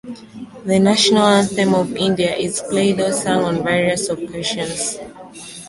The National Anthem of India is played or sung on various occasions.